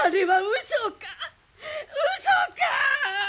うそか！